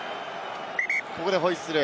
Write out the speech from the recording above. ここでホイッスル。